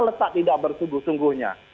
letak tidak bersungguh sungguhnya